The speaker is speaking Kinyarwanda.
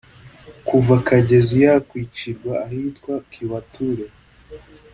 Kuva Kagezi yakwicirwa ahitwa Kiwatule